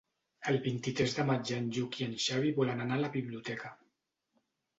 El vint-i-tres de maig en Lluc i en Xavi volen anar a la biblioteca.